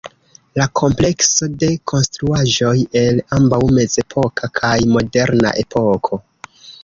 La komplekso de konstruaĵoj el ambaŭ mezepoka kaj moderna epoko.